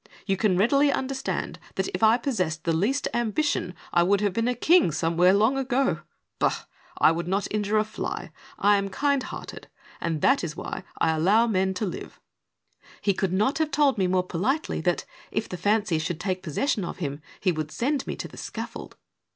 You can readily understand that, if I possessed the least ambition, I would have been a king somewhere long ago. Bah I I would not injure a fly; lam kind hearted, and that is why I allow men to live !" He could not have told me more politely that, if the fancy should take possession of him, he would send me to the scaffold.